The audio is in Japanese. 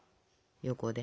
横で。